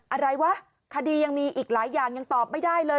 อะไรวะคดียังมีอีกหลายอย่างยังตอบไม่ได้เลย